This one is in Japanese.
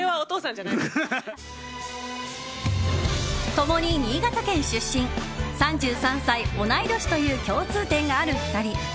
共に新潟県出身３３歳、同い年という共通点がある２人。